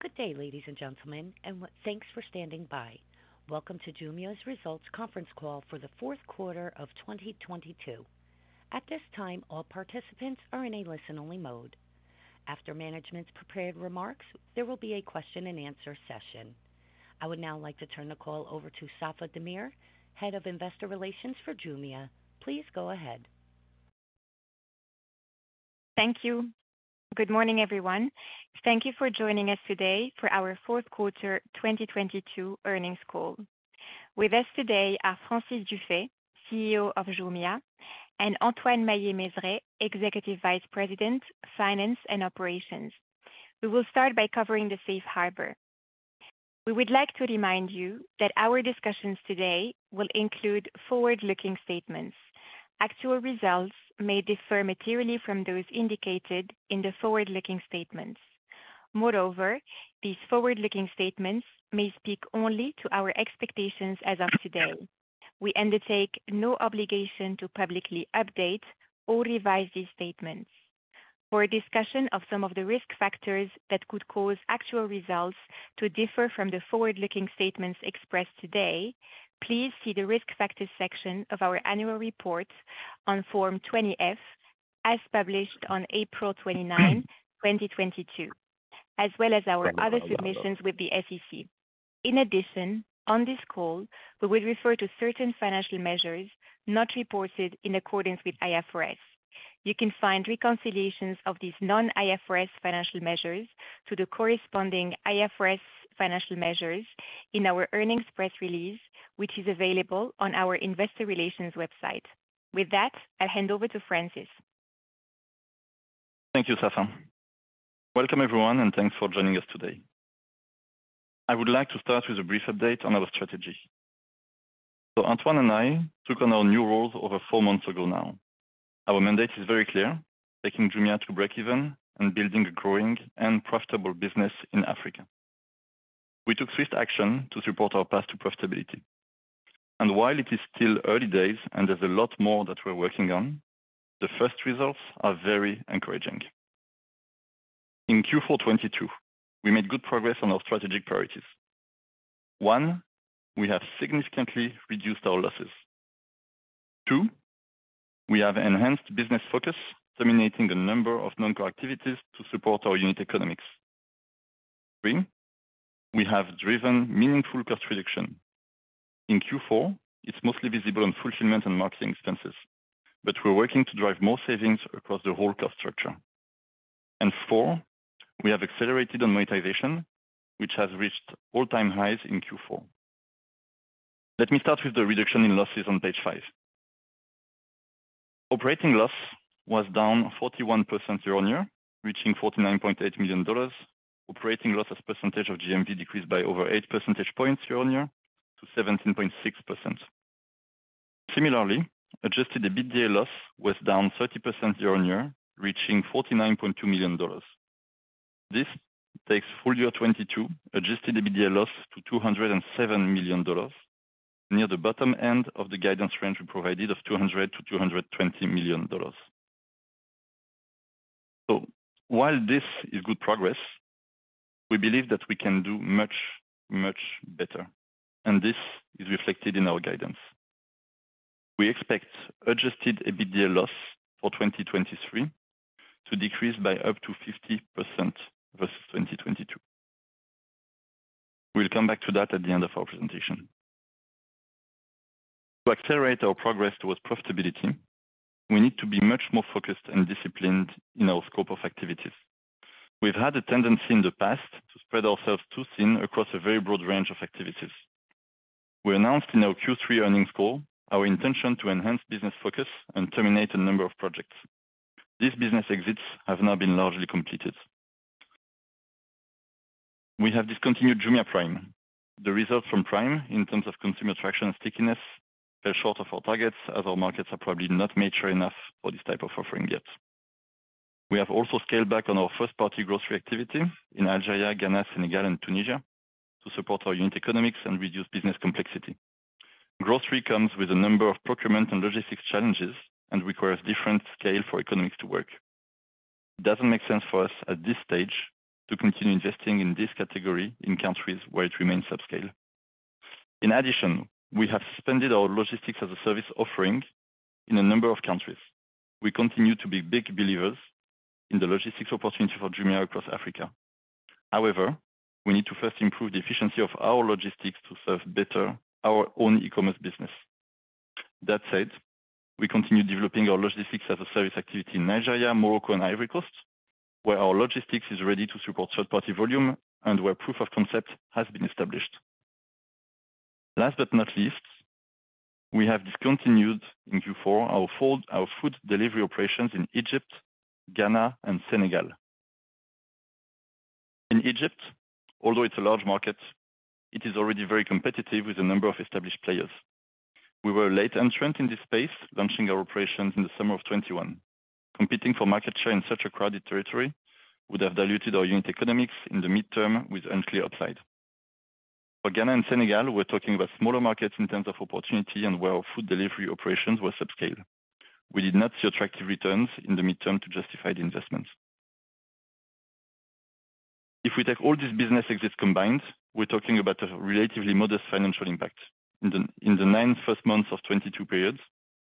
Good day, ladies and gentlemen, and thanks for standing by. Welcome to Jumia's results conference call for the fourth quarter of 2022. At this time, all participants are in a listen-only mode. After management's prepared remarks, there will be a question and answer session. I would now like to turn the call over to Safae Damir, Head of Investor Relations for Jumia. Please go ahead. Thank you. Good morning, everyone. Thank you for joining us today for our fourth quarter 2022 earnings call. With us today are Francis Dufay, CEO of Jumia, and Antoine Maillet-Mezeray, Executive Vice President, Finance and Operations. We will start by covering the safe harbor. We would like to remind you that our discussions today will include forward-looking statements. Actual results may differ materially from those indicated in the forward-looking statements. Moreover, these forward-looking statements may speak only to our expectations as of today. We undertake no obligation to publicly update or revise these statements. For a discussion of some of the risk factors that could cause actual results to differ from the forward-looking statements expressed today, please see the Risk Factors section of our annual report on Form 20-F, as published on April 29, 2022, as well as our other submissions with the SEC. On this call, we will refer to certain financial measures not reported in accordance with IFRS. You can find reconciliations of these non-IFRS financial measures to the corresponding IFRS financial measures in our earnings press release, which is available on our investor relations website. With that, I'll hand over to Francis. Thank you, Safa. Welcome, everyone, and thanks for joining us today. I would like to start with a brief update on our strategy. Antoine and I took on our new roles over 4 months ago now. Our mandate is very clear, taking Jumia to breakeven and building a growing and profitable business in Africa. We took swift action to support our path to profitability. While it is still early days and there's a lot more that we're working on, the first results are very encouraging. In Q4 2022, we made good progress on our strategic priorities. 1, we have significantly reduced our losses. 2, we have enhanced business focus, terminating a number of non-core activities to support our unit economics. 3, we have driven meaningful cost reduction. In Q4, it's mostly visible on fulfillment and marketing expenses, but we're working to drive more savings across the whole cost structure. 4, we have accelerated on monetization, which has reached all-time highs in Q4. Let me start with the reduction in losses on page 5. Operating loss was down 41% year-on-year, reaching $49.8 million. Operating loss as a percentage of GMV decreased by over 8 percentage points year-on-year to 17.6%. Similarly, adjusted EBITDA loss was down 30% year-on-year, reaching $49.2 million. This takes full year 2022 adjusted EBITDA loss to $207 million, near the bottom end of the guidance range we provided of $200 million-$220 million. While this is good progress, we believe that we can do much, much better, and this is reflected in our guidance. We expect adjusted EBITDA loss for 2023 to decrease by up to 50% versus 2022. We'll come back to that at the end of our presentation. To accelerate our progress towards profitability, we need to be much more focused and disciplined in our scope of activities. We've had a tendency in the past to spread ourselves too thin across a very broad range of activities. We announced in our Q3 earnings call our intention to enhance business focus and terminate a number of projects. These business exits have now been largely completed. We have discontinued Jumia Prime. The results from Prime in terms of consumer traction and stickiness fell short of our targets as our markets are probably not mature enough for this type of offering yet. We have also scaled back on our first-party grocery activity in Algeria, Ghana, Senegal, and Tunisia to support our unit economics and reduce business complexity. Grocery comes with a number of procurement and logistics challenges and requires different scale for economics to work. It doesn't make sense for us at this stage to continue investing in this category in countries where it remains subscale. We have suspended our Logistics as a Service offering in a number of countries. We continue to be big believers in the logistics opportunity for Jumia across Africa. We need to first improve the efficiency of our logistics to serve better our own e-commerce business. That said, we continue developing our Logistics as a Service activity in Nigeria, Morocco, and Ivory Coast, where our logistics is ready to support third-party volume and where proof of concept has been established. Last but not least, we have discontinued in Q4 our food delivery operations in Egypt, Ghana, and Senegal. In Egypt, although it's a large market, it is already very competitive with a number of established players. We were a late entrant in this space, launching our operations in the summer of 21. Competing for market share in such a crowded territory would have diluted our unit economics in the midterm with unclear upside. Ghana and Senegal, we're talking about smaller markets in terms of opportunity and where our food delivery operations were subscale. We did not see attractive returns in the midterm to justify the investments. If we take all these business exits combined, we're talking about a relatively modest financial impact. In the 9 first months of 2022 periods,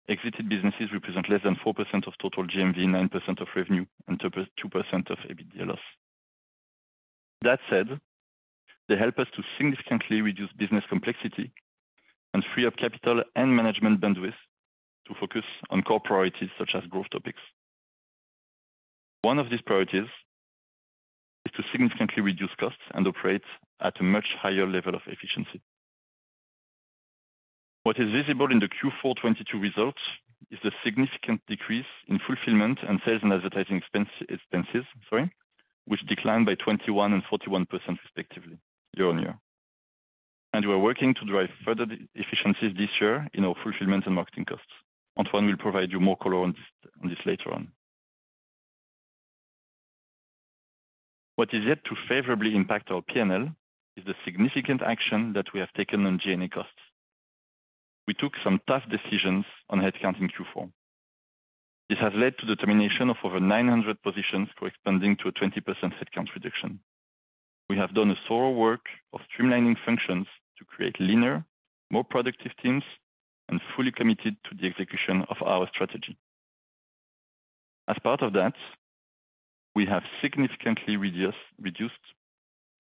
exited businesses represent less than 4% of total GMV, 9% of revenue, and 2 percent of EBITDA loss. That said, they help us to significantly reduce business complexity and free up capital and management bandwidth to focus on core priorities such as growth topics. One of these priorities is to significantly reduce costs and operate at a much higher level of efficiency. What is visible in the Q4 2022 results is the significant decrease in fulfillment and sales and advertising expenses, sorry, which declined by 21% and 41% respectively year-on-year. We're working to drive further efficiencies this year in our fulfillment and marketing costs. Antoine will provide you more color on this, on this later on. What is yet to favorably impact our P&L is the significant action that we have taken on G&A costs. We took some tough decisions on headcount in Q4. This has led to the termination of over 900 positions, corresponding to a 20% headcount reduction. We have done a thorough work of streamlining functions to create leaner, more productive teams, and fully committed to the execution of our strategy. As part of that, we have significantly reduced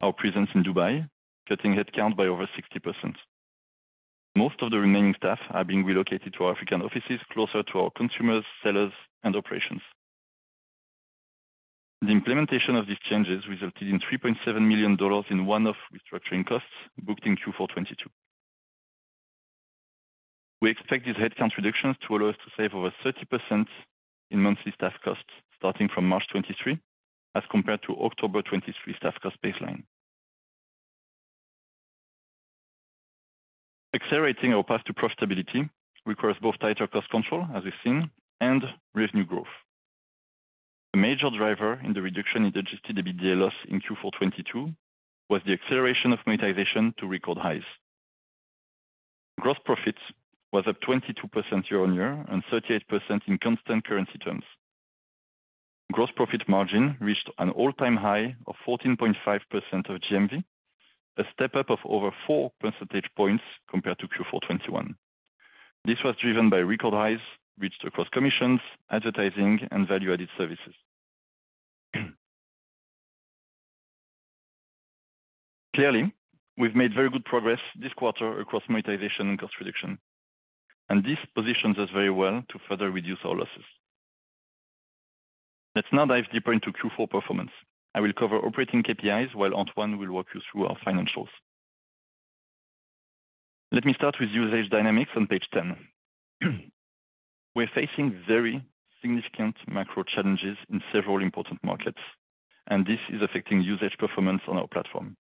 our presence in Dubai, cutting headcount by over 60%. Most of the remaining staff are being relocated to our African offices, closer to our consumers, sellers, and operations. The implementation of these changes resulted in $3.7 million in one-off restructuring costs booked in Q4 2022. We expect these headcount reductions to allow us to save over 30% in monthly staff costs starting from March 2023, as compared to October 2023 staff cost baseline. Accelerating our path to profitability requires both tighter cost control, as we've seen, and revenue growth. A major driver in the reduction in adjusted EBITDA loss in Q4 2022 was the acceleration of monetization to record highs. Gross profit was up 22% year-on-year and 38% in constant currency terms. Gross profit margin reached an all-time high of 14.5% of GMV, a step up of over 4 percentage points compared to Q4 2021. This was driven by record highs reached across commissions, advertising, and value-added services. Clearly, we've made very good progress this quarter across monetization and cost reduction, and this positions us very well to further reduce our losses. Let's now dive deeper into Q4 performance. I will cover operating KPIs while Antoine will walk you through our financials. Let me start with usage dynamics on page 10. We're facing very significant macro challenges in several important markets, this is affecting usage performance on our platform.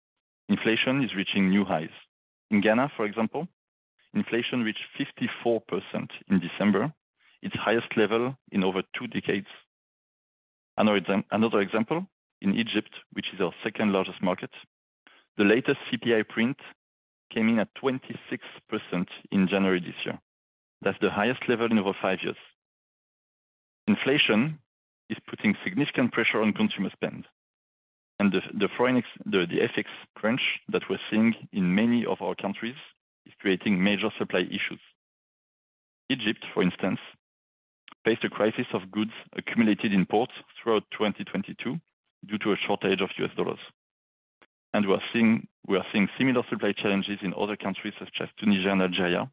Inflation is reaching new highs. In Ghana, for example, inflation reached 54% in December, its highest level in over 2 decades. Another example, in Egypt, which is our second-largest market, the latest CPI print came in at 26% in January this year. That's the highest level in over 5 years. Inflation is putting significant pressure on consumer spend, the foreign ex-- the FX crunch that we're seeing in many of our countries is creating major supply issues. Egypt, for instance, faced a crisis of goods accumulated in ports throughout 2022 due to a shortage of US dollars. We are seeing similar supply challenges in other countries such as Tunisia and Algeria,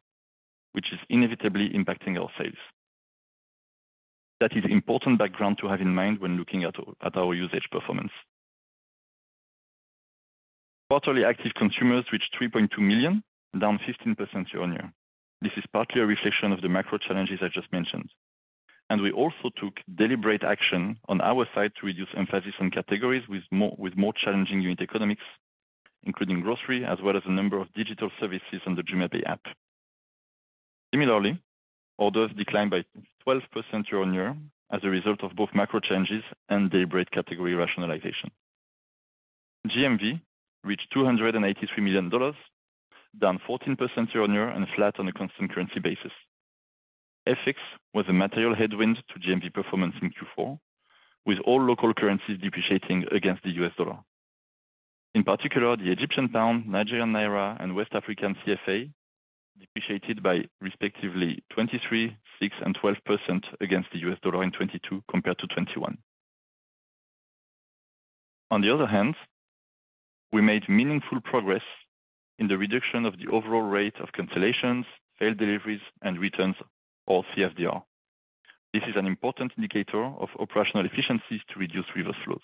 which is inevitably impacting our sales. That is important background to have in mind when looking at our usage performance. Quarterly active consumers reached 3.2 million, down 15% year-on-year. This is partly a reflection of the macro challenges I just mentioned. We also took deliberate action on our side to reduce emphasis on categories with more challenging unit economics, including grocery, as well as a number of digital services on the JumiaPay app. Similarly, orders declined by 12% year-on-year as a result of both macro changes and deliberate category rationalization. GMV reached $283 million, down 14% year-on-year and flat on a constant currency basis. FX was a material headwind to GMV performance in Q4, with all local currencies depreciating against the US dollar. In particular, the Egyptian pound, Nigerian naira, and West African CFA depreciated by respectively 23%, 6%, and 12% against the US dollar in 2022 compared to 2021. On the other hand, we made meaningful progress in the reduction of the overall rate of cancellations, failed deliveries, and returns or CFDR. This is an important indicator of operational efficiencies to reduce reverse flows.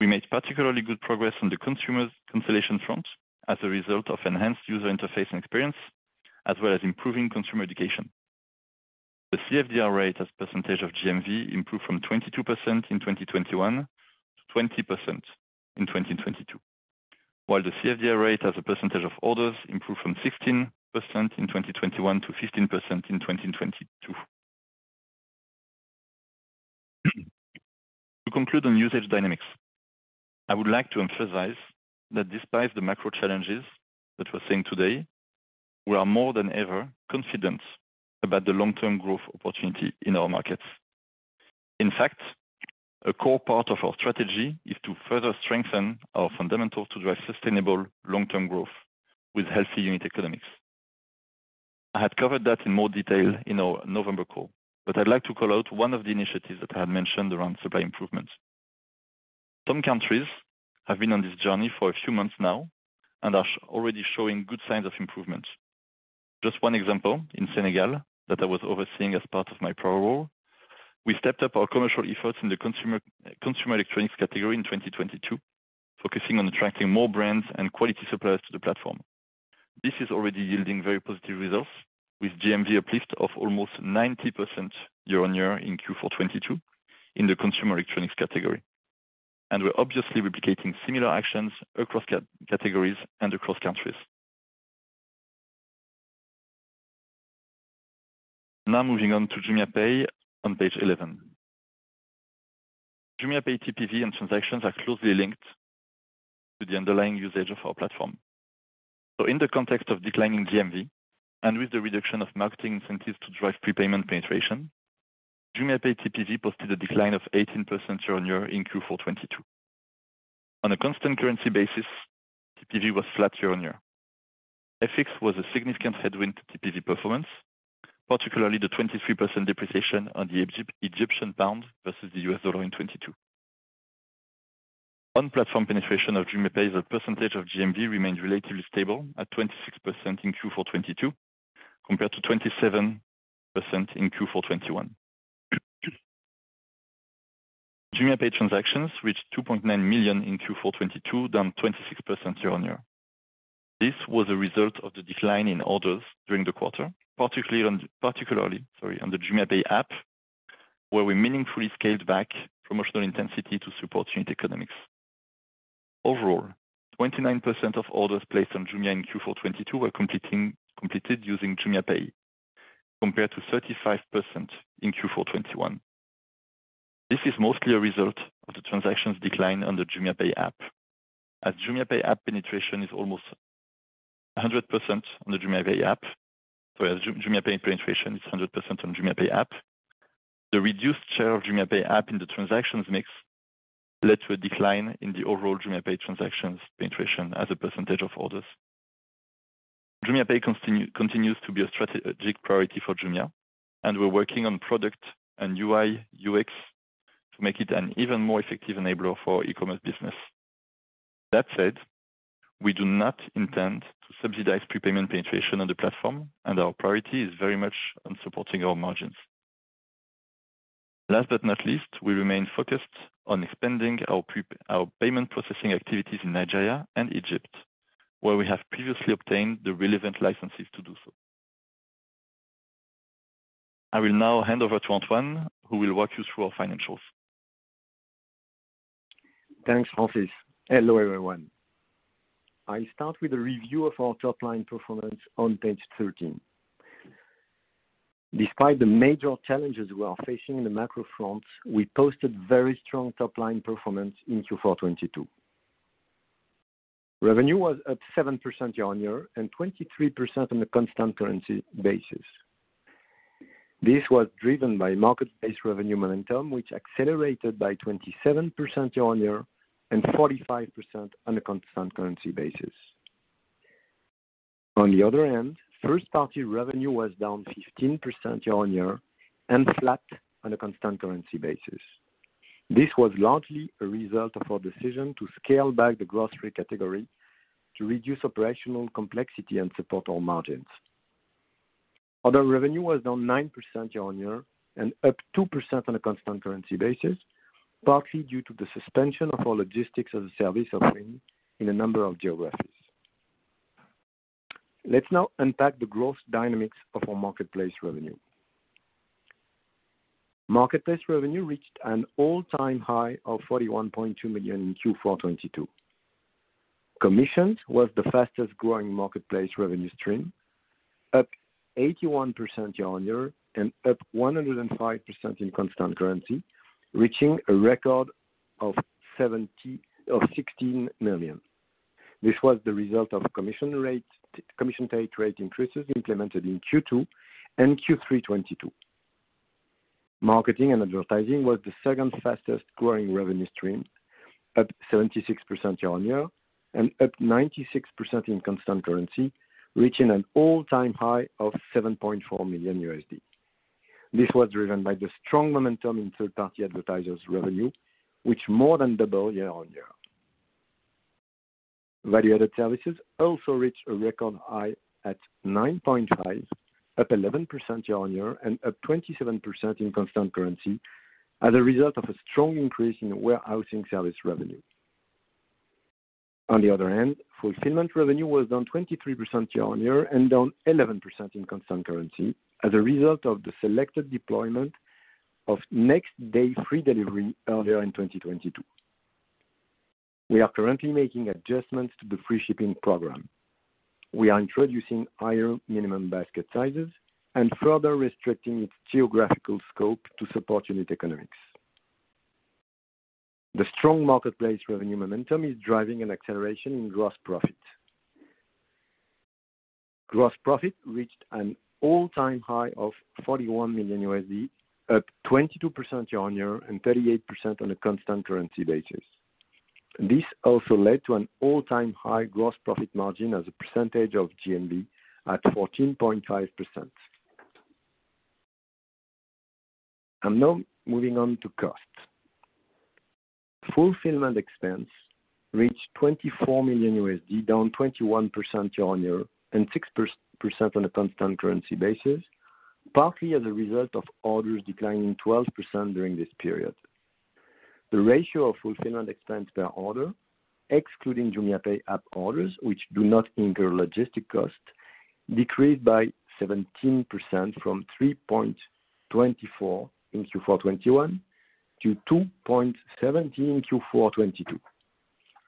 We made particularly good progress on the consumer's cancellation front as a result of enhanced user interface and experience, as well as improving consumer education. The CFDR rate as a percentage of GMV improved from 22% in 2021 to 20% in 2022. While the CFDR rate as a percentage of orders improved from 16% in 2021 to 15% in 2022. To conclude on usage dynamics, I would like to emphasize that despite the macro challenges that we're seeing today, we are more than ever confident about the long-term growth opportunity in our markets. A core part of our strategy is to further strengthen our fundamentals to drive sustainable long-term growth with healthy unit economics. I had covered that in more detail in our November call, I'd like to call out one of the initiatives that I had mentioned around supply improvements. Some countries have been on this journey for a few months now and are already showing good signs of improvement. Just one example in Senegal that I was overseeing as part of my prior role, we stepped up our commercial efforts in the consumer electronics category in 2022, focusing on attracting more brands and quality suppliers to the platform. This is already yielding very positive results, with GMV uplift of almost 90% year-on-year in Q4 2022 in the consumer electronics category. We're obviously replicating similar actions across categories and across countries. Now moving on to JumiaPay on page 11. JumiaPay TPV and transactions are closely linked to the underlying usage of our platform. In the context of declining GMV and with the reduction of marketing incentives to drive prepayment penetration, JumiaPay TPV posted a decline of 18% year-on-year in Q4 2022. On a constant currency basis, TPV was flat year-on-year. FX was a significant headwind to TPV performance, particularly the 23% depreciation on the Egyptian pound versus the US dollar in 2022. Platform penetration of JumiaPay as a percentage of GMV remained relatively stable at 26% in Q4 2022, compared to 27% in Q4 2021. JumiaPay transactions reached 2.9 million in Q4 2022, down 26% year-on-year. This was a result of the decline in orders during the quarter, particularly on the JumiaPay app, where we meaningfully scaled back promotional intensity to support unit economics. 29% of orders placed on Jumia in Q4 2022 were completed using JumiaPay, compared to 35% in Q4 2021. This is mostly a result of the transactions decline on the JumiaPay app. As JumiaPay app penetration is almost 100% on the JumiaPay app, whereas JumiaPay penetration is 100% on JumiaPay app, the reduced share of JumiaPay app in the transactions mix led to a decline in the overall JumiaPay transactions penetration as a percentage of orders. JumiaPay continues to be a strategic priority for Jumia, and we're working on product and UI, UX to make it an even more effective enabler for e-commerce business. That said, we do not intend to subsidize prepayment penetration on the platform, and our priority is very much on supporting our margins. Last but not least, we remain focused on expanding our payment processing activities in Nigeria and Egypt, where we have previously obtained the relevant licenses to do so. I will now hand over to Antoine, who will walk you through our financials. Thanks, Francis. Hello, everyone. I'll start with a review of our top-line performance on page 13. Despite the major challenges we are facing in the macro front, we posted very strong top-line performance in Q4 2022. Revenue was up 7% year-on-year and 23% on a constant currency basis. This was driven by marketplace revenue momentum, which accelerated by 27% year-on-year and 45% on a constant currency basis. On the other hand, first-party revenue was down 15% year-on-year and flat on a constant currency basis. This was largely a result of our decision to scale back the grocery category to reduce operational complexity and support our margins. Other revenue was down 9% year-on-year and up 2% on a constant currency basis, partly due to the suspension of our Logistics as a Service offering in a number of geographies. Let's now unpack the growth dynamics of our marketplace revenue. Marketplace revenue reached an all-time high of $41.2 million in Q4 2022. Commissions was the fastest-growing marketplace revenue stream, up 81% year-on-year and up 105% in constant currency, reaching a record of $16 million. This was the result of commission rate, commission take rate increases implemented in Q2 and Q3 2022. Marketing and advertising was the second fastest growing revenue stream, up 76% year-on-year, and up 96% in constant currency, reaching an all-time high of $7.4 million. This was driven by the strong momentum in third-party advertisers' revenue, which more than double year-on-year. Value-added services also reached a record high at $9.5 million, up 11% year-on-year, and up 27% in constant currency as a result of a strong increase in warehousing service revenue. On the other hand, fulfillment revenue was down 23% year-on-year and down 11% in constant currency as a result of the selected deployment of next day free delivery earlier in 2022. We are currently making adjustments to the free shipping program. We are introducing higher minimum basket sizes and further restricting its geographical scope to support unit economics. The strong marketplace revenue momentum is driving an acceleration in gross profit. Gross profit reached an all-time high of $41 million, up 22% year-on-year and 38% on a constant currency basis. This also led to an all-time high gross profit margin as a percentage of GMV at 14.5%. Now moving on to costs. Fulfillment expense reached $24 million, down 21% year-on-year and 6% on a constant currency basis, partly as a result of orders declining 12% during this period. The ratio of fulfillment expense per order, excluding JumiaPay app orders which do not incur logistic costs, decreased by 17% from 3.24 in Q4 '21 to 2.17 in Q4 '22.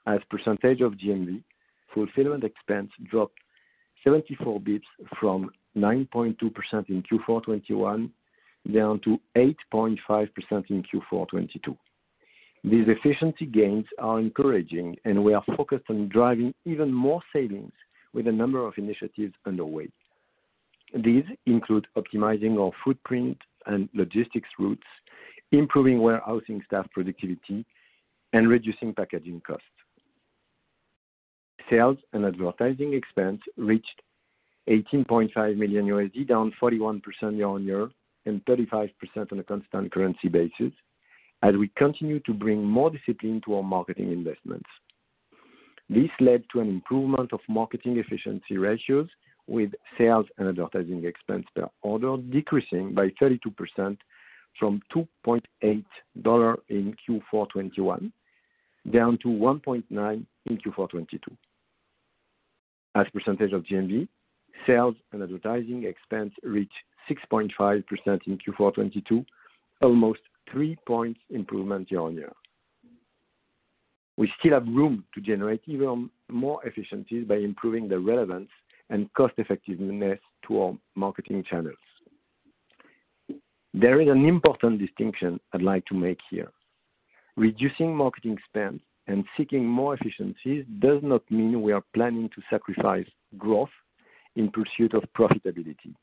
As percentage of GMV, fulfillment expense dropped 74 bps from 9.2% in Q4 '21, down to 8.5% in Q4 '22. These efficiency gains are encouraging, and we are focused on driving even more savings with a number of initiatives underway. These include optimizing our footprint and logistics routes, improving warehousing staff productivity, and reducing packaging costs. Sales and advertising expense reached $18.5 million, down 41% year-on-year and 35% on a constant currency basis, as we continue to bring more discipline to our marketing investments. This led to an improvement of marketing efficiency ratios with sales and advertising expense per order decreasing by 32% from $2.8 in Q4 2021, down to $1.9 in Q4 2022. As percentage of GMV, sales and advertising expense reached 6.5% in Q4 2022, almost 3 points improvement year-on-year. We still have room to generate even more efficiencies by improving the relevance and cost effectiveness to our marketing channels. There is an important distinction I'd like to make here. Reducing marketing spend and seeking more efficiencies does not mean we are planning to sacrifice growth in pursuit of profitability.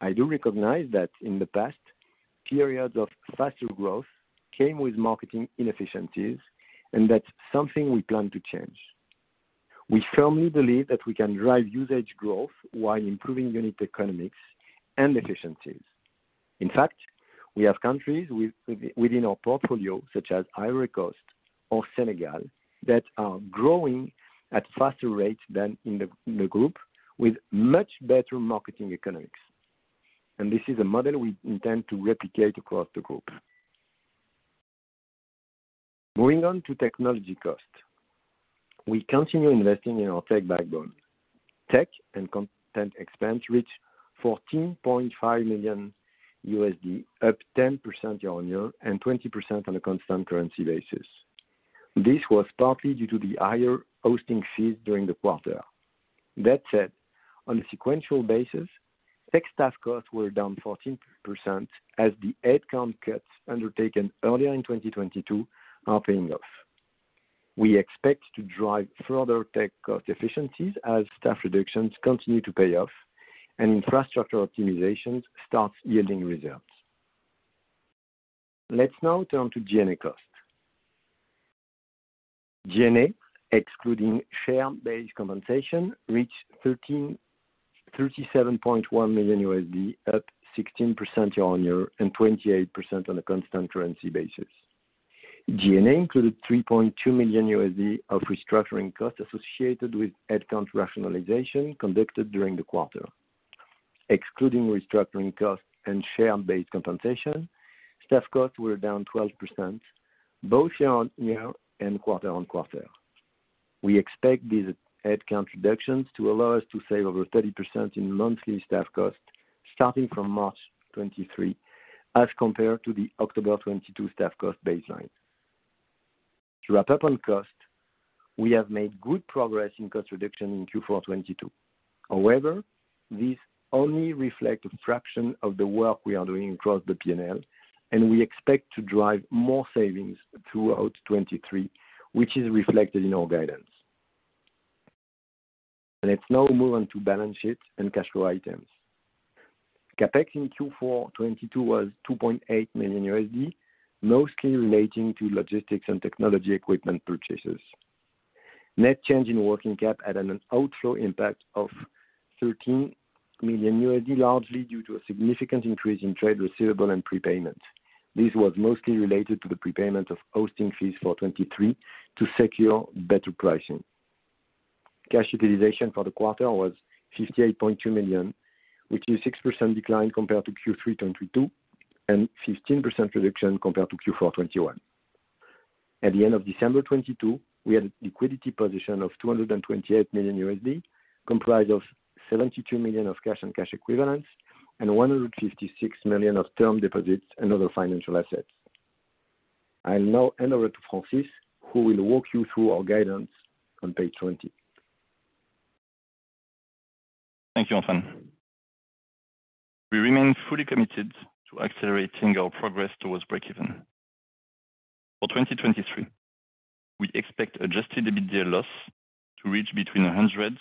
I do recognize that in the past, periods of faster growth came with marketing inefficiencies, and that's something we plan to change. We firmly believe that we can drive usage growth while improving unit economics and efficiencies. In fact, we have countries within our portfolio, such as Ivory Coast or Senegal, that are growing at faster rates than in the Group with much better marketing economics. This is a model we intend to replicate across the Group. Moving on to technology cost. We continue investing in our tech backbone. Tech and content expense reached $14.5 million, up 10% year-over-year and 20% on a constant currency basis. This was partly due to the higher hosting fees during the quarter. That said, on a sequential basis, tech staff costs were down 14% as the headcount cuts undertaken earlier in 2022 are paying off. We expect to drive further tech cost efficiencies as staff reductions continue to pay off and infrastructure optimizations starts yielding results. Let's now turn to G&A costs. G&A, excluding share-based compensation, reached $37.1 million, up 16% year-on-year and 28% on a constant currency basis. G&A included $3.2 million of restructuring costs associated with headcount rationalization conducted during the quarter. Excluding restructuring costs and share-based compensation, staff costs were down 12% both year-on-year and quarter-on-quarter. We expect these headcount reductions to allow us to save over 30% in monthly staff costs starting from March 2023 as compared to the October 2022 staff cost baseline. To wrap up on cost, we have made good progress in cost reduction in Q4 '22. These only reflect a fraction of the work we are doing across the P&L, and we expect to drive more savings throughout 2023, which is reflected in our guidance. Let's now move on to balance sheet and cash flow items. CapEx in Q4 '22 was $2.8 million, mostly relating to logistics and technology equipment purchases. Net change in working cap had an outflow impact of $13 million, largely due to a significant increase in trade receivable and prepayment. This was mostly related to the prepayment of hosting fees for 2023 to secure better pricing. Cash utilization for the quarter was $58.2 million, which is 6% decline compared to Q3 '22, and 15% reduction compared to Q4 '21. At the end of December 2022, we had a liquidity position of $228 million, comprised of $72 million of cash and cash equivalents. $156 million of term deposits and other financial assets. I'll now hand over to Francis, who will walk you through our guidance on page 20. Thank you, Antoine. We remain fully committed to accelerating our progress towards breakeven. For 2023, we expect adjusted EBITDA loss to reach between $100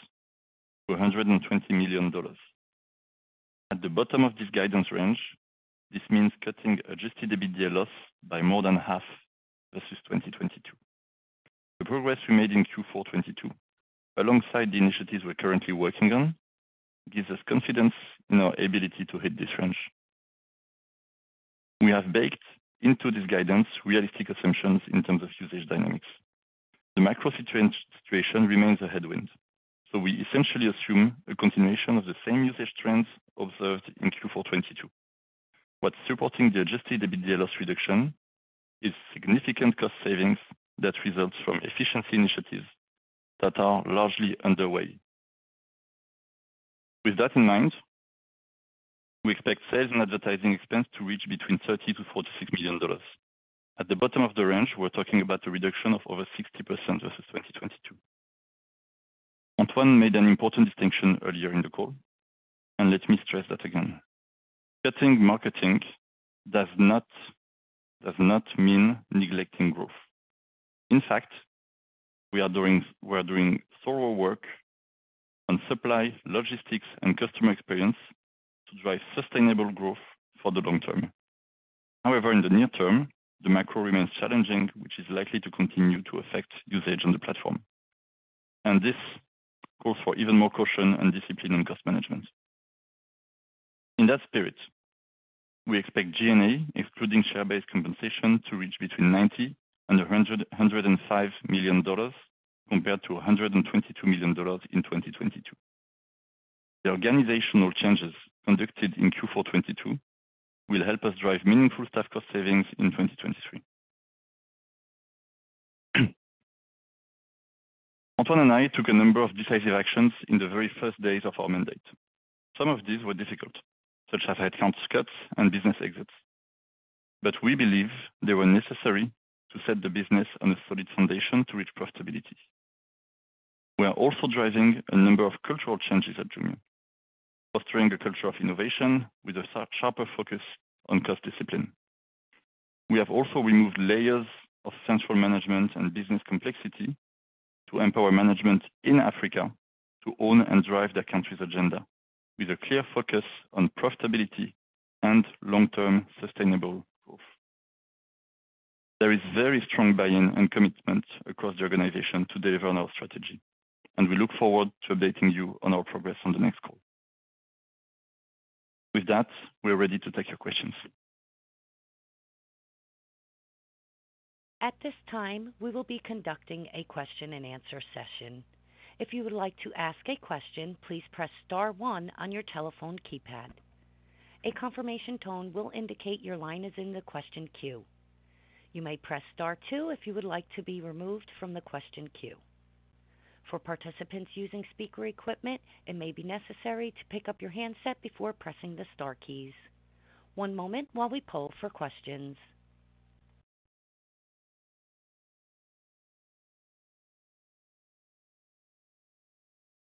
million-$120 million. At the bottom of this guidance range, this means cutting adjusted EBITDA loss by more than half versus 2022. The progress we made in Q4 2022, alongside the initiatives we're currently working on, gives us confidence in our ability to hit this range. We have baked into this guidance realistic assumptions in terms of usage dynamics. The macro situation remains a headwind. We essentially assume a continuation of the same usage trends observed in Q4 2022. What's supporting the adjusted EBITDA loss reduction is significant cost savings that results from efficiency initiatives that are largely underway. With that in mind, we expect sales and advertising expense to reach between $30 million-$46 million. At the bottom of the range, we're talking about a reduction of over 60% versus 2022. Antoine made an important distinction earlier in the call. Let me stress that again. Cutting marketing does not mean neglecting growth. In fact, we are doing thorough work on supply, logistics and customer experience to drive sustainable growth for the long term. However, in the near term, the macro remains challenging, which is likely to continue to affect usage on the platform. This calls for even more caution and discipline on cost management. In that spirit, we expect G&A excluding share-based compensation to reach between $90 million-$105 million compared to $122 million in 2022. The organizational changes conducted in Q4 2022 will help us drive meaningful staff cost savings in 2023. Antoine and I took a number of decisive actions in the very first days of our mandate. Some of these were difficult, such as headcount cuts and business exits. We believe they were necessary to set the business on a solid foundation to reach profitability. We are also driving a number of cultural changes at Jumia, fostering a culture of innovation with a sharper focus on cost discipline. We have also removed layers of central management and business complexity to empower management in Africa to own and drive their country's agenda with a clear focus on profitability and long-term sustainable growth. There is very strong buy-in and commitment across the organization to deliver on our strategy. We look forward to updating you on our progress on the next call. With that, we are ready to take your questions. At this time, we will be conducting a question-and-answer session. If you would like to ask a question, please press star one on your telephone keypad. A confirmation tone will indicate your line is in the question queue. You may press star two if you would like to be removed from the question queue. For participants using speaker equipment, it may be necessary to pick up your handset before pressing the star keys. One moment while we poll for questions.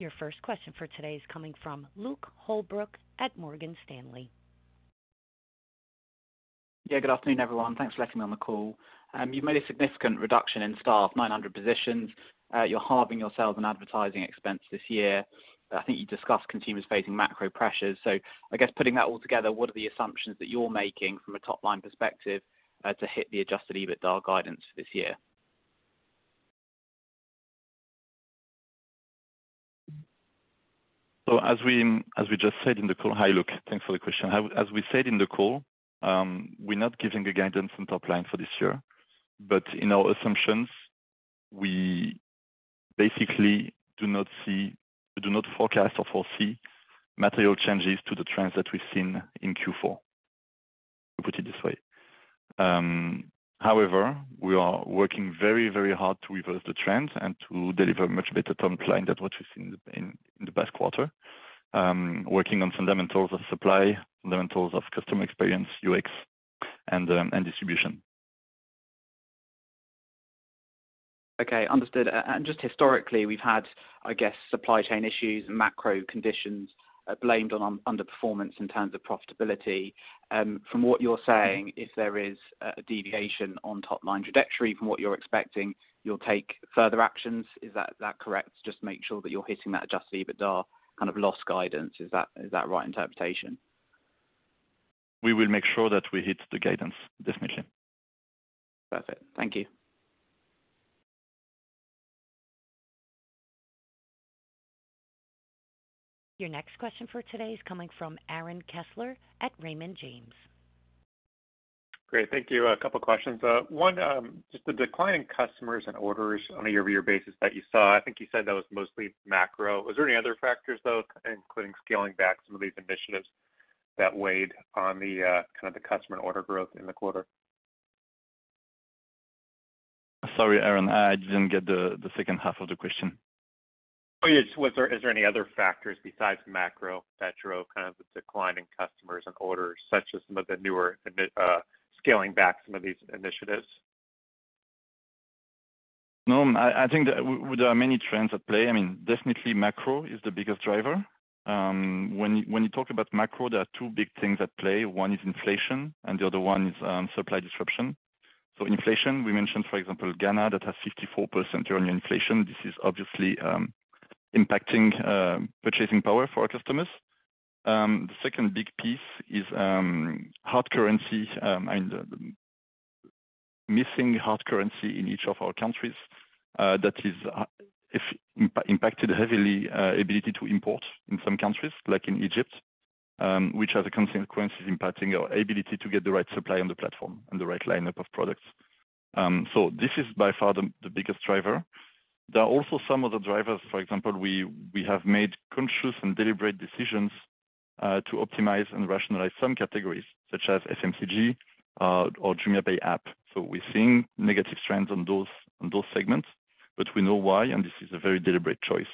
Your first question for today is coming from Luke Holbrook at Morgan Stanley. Yeah, good afternoon, everyone. Thanks for letting me on the call. You've made a significant reduction in staff, 900 positions. You're halving your sales and advertising expense this year. I think you discussed consumers facing macro pressures. I guess putting that all together, what are the assumptions that you're making from a top-line perspective, to hit the adjusted EBITDA guidance this year? As we just said in the call. Hi, Luke. Thanks for the question. As we said in the call, we're not giving a guidance on top line for this year, but in our assumptions, we basically do not forecast or foresee material changes to the trends that we've seen in Q4, to put it this way. However, we are working very, very hard to reverse the trend and to deliver much better top line than what we've seen in the past quarter. Working on fundamentals of supply, fundamentals of customer experience, UX and distribution. Okay, understood. Just historically, we've had, I guess, supply chain issues and macro conditions, blamed on underperformance in terms of profitability. From what you're saying, if there is a deviation on top line trajectory from what you're expecting, you'll take further actions. Is that correct? Just to make sure that you're hitting that adjusted EBITDA kind of loss guidance. Is that right interpretation? We will make sure that we hit the guidance, definitely. Perfect. Thank you. Your next question for today is coming from Aaron Kessler at Raymond James. Great. Thank you. A couple questions. One, just the decline in customers and orders on a year-over-year basis that you saw. I think you said that was mostly macro. Was there any other factors, though, including scaling back some of these initiatives that weighed on the kind of the customer and order growth in the quarter? Sorry, Aaron, I didn't get the second half of the question. Oh, yeah. Is there any other factors besides macro that drove kind of the decline in customers and orders, such as some of the newer scaling back some of these initiatives? I think that there are many trends at play. I mean, definitely macro is the biggest driver. When you talk about macro, there are two big things at play. One is inflation, and the other one is supply disruption. Inflation, we mentioned, for example, Ghana, that has 54% annual inflation. This is obviously impacting purchasing power for our customers. The second big piece is hard currency, and missing hard currency in each of our countries, that is impacted heavily, ability to import in some countries, like in Egypt, which are the consequences impacting our ability to get the right supply on the platform and the right lineup of products. This is by far the biggest driver. There are also some other drivers, for example, we have made conscious and deliberate decisions to optimize and rationalize some categories, such as FMCG, or JumiaPay app. We're seeing negative trends on those segments, but we know why, and this is a very deliberate choice.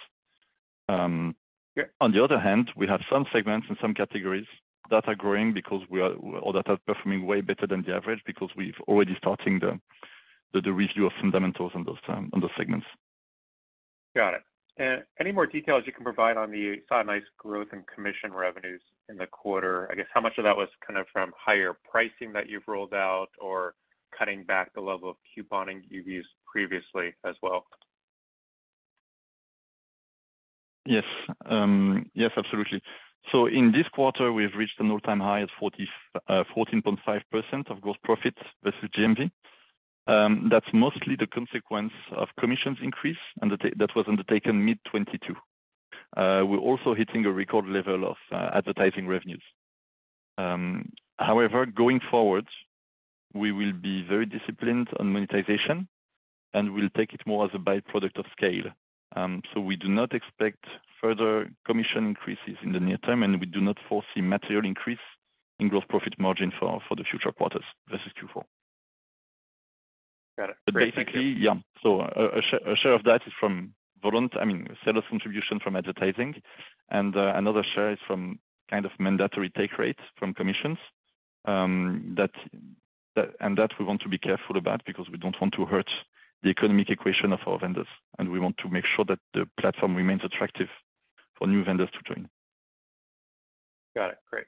On the other hand, we have some segments and some categories that are growing because or that are performing way better than the average because we've already starting the review of fundamentals on those on those segments. Got it. Any more details you can provide? Saw a nice growth in commission revenues in the quarter. I guess how much of that was kind of from higher pricing that you've rolled out or cutting back the level of couponing you've used previously as well? Yes. Yes, absolutely. In this quarter, we've reached an all-time high of 14.5% of gross profits versus GMV. That's mostly the consequence of commissions increase, and that was undertaken mid 2022. We're also hitting a record level of advertising revenues. However, going forward, we will be very disciplined on monetization, and we'll take it more as a by-product of scale. We do not expect further commission increases in the near term, and we do not foresee material increase in gross profit margin for the future quarters versus Q4. Got it. Great. Thank you. Basically, yeah. A share of that is from I mean, seller contribution from advertising. Another share is from kind of mandatory take rates from commissions, that we want to be careful about because we don't want to hurt the economic equation of our vendors, and we want to make sure that the platform remains attractive for new vendors to join. Got it. Great.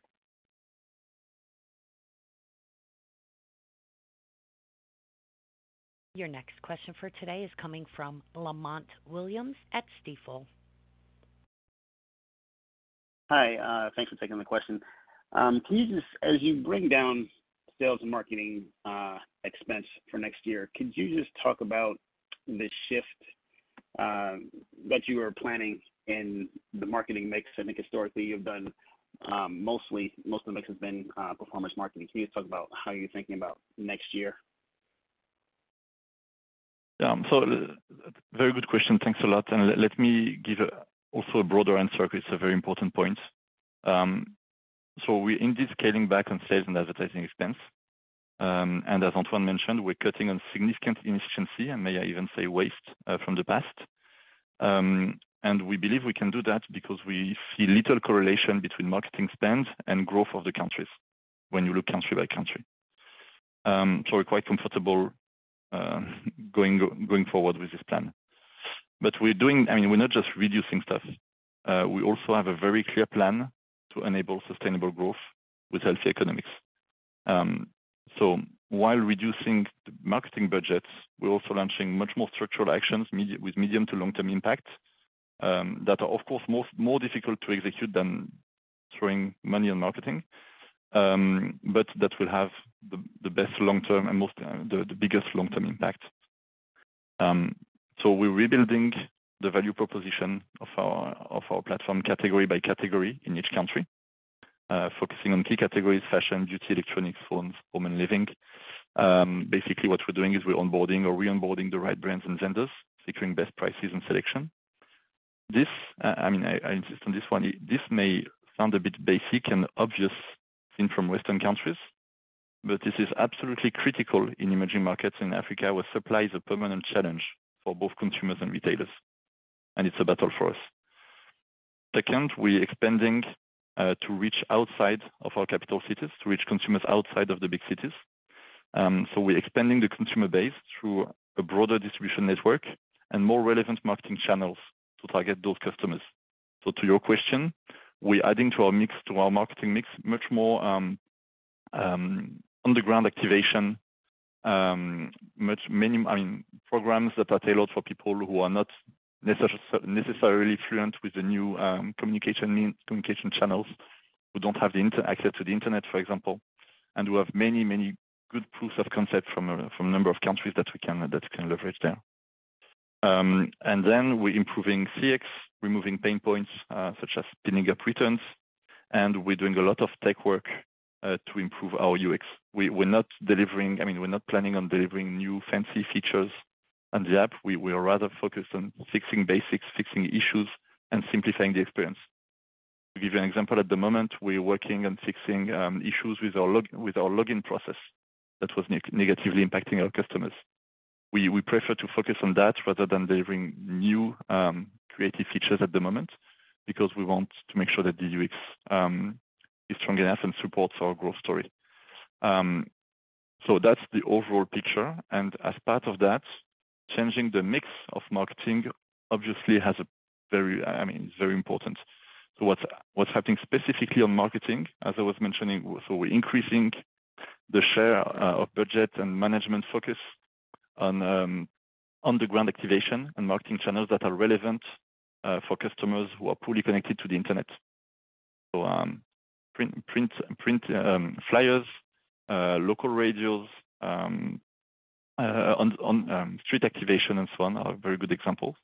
Your next question for today is coming from Lamont Williams at Stifel. Hi. Thanks for taking the question. As you bring down sales and marketing expense for next year, could you just talk about the shift that you are planning in the marketing mix? I think historically you've done mostly, most of the mix has been performance marketing. Can you talk about how you're thinking about next year? Yeah. Very good question. Thanks a lot. Let me give also a broader answer 'cause it's a very important point. We're indeed scaling back on sales and advertising expense. As Antoine mentioned, we're cutting on significant inefficiency, and may I even say waste, from the past. We believe we can do that because we see little correlation between marketing spend and growth of the countries when you look country by country. We're quite comfortable going forward with this plan. We're doing. I mean, we're not just reducing stuff. We also have a very clear plan to enable sustainable growth with healthy economics. While reducing marketing budgets, we're also launching much more structural actions with medium to long-term impact, that are, of course, more difficult to execute than throwing money on marketing. That will have the best long-term and the biggest long-term impact. We're rebuilding the value proposition of our platform category by category in each country, focusing on key categories: fashion, beauty, electronics, phones, home, and living. Basically, what we're doing is we're onboarding or re-onboarding the right brands and vendors, securing best prices and selection. This, I mean, I insist on this one. This may sound a bit basic and obvious thing from Western countries, but this is absolutely critical in emerging markets in Africa, where supply is a permanent challenge for both consumers and retailers, and it's a battle for us. We're expanding to reach outside of our capital cities, to reach consumers outside of the big cities. We're expanding the consumer base through a broader distribution network and more relevant marketing channels to target those customers. To your question, we're adding to our mix, to our marketing mix, much more on-the-ground activation, many, I mean, programs that are tailored for people who are not necessarily fluent with the new communication channels, who don't have access to the Internet, for example, and we have many, many good proofs of concept from a number of countries that we can, that we can leverage there. We're improving CX, removing pain points, such as pinning up returns, and we're doing a lot of tech work to improve our UX. We're not delivering, I mean, we're not planning on delivering new fancy features on the app. We are rather focused on fixing basics, fixing issues, and simplifying the experience. To give you an example, at the moment, we're working on fixing issues with our login process that was negatively impacting our customers. We prefer to focus on that rather than delivering new creative features at the moment because we want to make sure that the UX is strong enough and supports our growth story. That's the overall picture. As part of that, changing the mix of marketing obviously I mean, it's very important. What's happening specifically on marketing, as I was mentioning, we're increasing the share of budget and management focus on the ground activation and marketing channels that are relevant for customers who are poorly connected to the Internet. Print flyers, local radios, on street activation and so on are very good examples.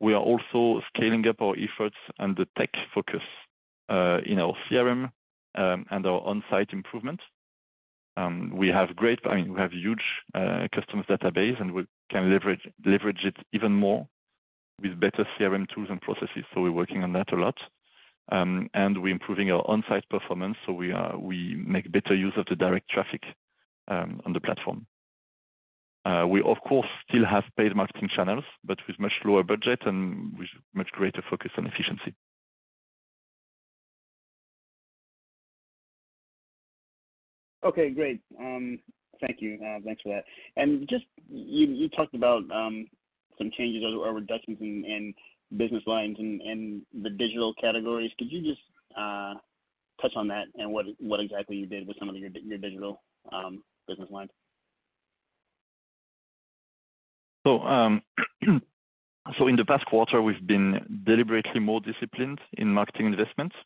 We are also scaling up our efforts and the tech focus in our CRM and our on-site improvement. I mean, we have huge customers database, and we can leverage it even more with better CRM tools and processes. We're working on that a lot. We're improving our on-site performance, we make better use of the direct traffic on the platform. We of course still have paid marketing channels. With much lower budget and with much greater focus on efficiency. Okay, great. Thank you. Thanks for that. You talked about some changes or reductions in business lines and the digital categories. Could you just touch on that and what exactly you did with some of your digital business lines? In the past quarter, we've been deliberately more disciplined in marketing investments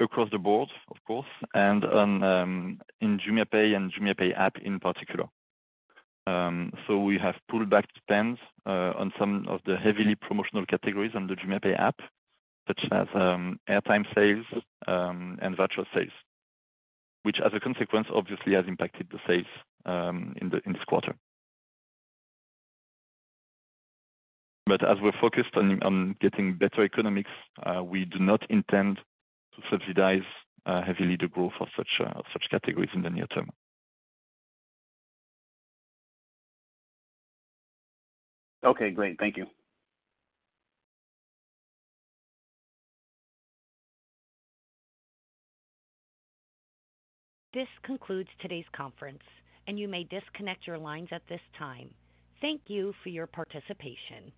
across the board, of course, and on in JumiaPay and JumiaPay app in particular. We have pulled back spends on some of the heavily promotional categories on the JumiaPay app, such as airtime sales and virtual sales, which as a consequence, obviously has impacted the sales in this quarter. As we're focused on getting better economics, we do not intend to subsidize heavily the growth of such categories in the near term. Okay, great. Thank you. This concludes today's conference, and you may disconnect your lines at this time. Thank you for your participation.